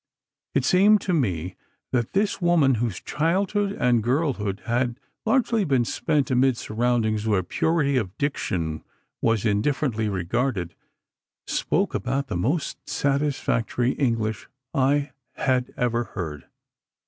It seemed to me that this woman, whose childhood and girlhood had largely been spent amid surroundings where purity of diction was indifferently regarded, spoke about the most satisfactory English I had ever heard.